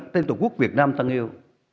tên tổ quốc việt nam tăng yêu